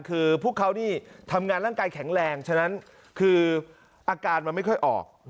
คือพวกเขานี่ทำงานร่างกายแข็งแรงฉะนั้นคืออาการมันไม่ค่อยออก